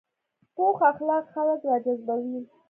پوخ اخلاق خلک راجذبوي